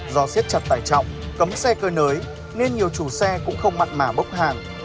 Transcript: do xếp chặt tải trọng cấm xe cơ nới nên nhiều chủ xe cũng không mặt mà bốc hàng